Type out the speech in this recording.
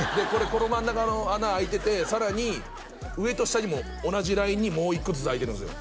この真ん中の穴あいててさらに上と下にも同じラインにもう一個ずつあいてるんすよ